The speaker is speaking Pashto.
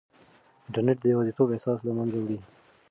انټرنیټ د یوازیتوب احساس له منځه وړي.